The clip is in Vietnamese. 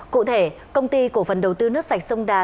cụ thể công ty cổ phần đầu tư nước sạch sông đà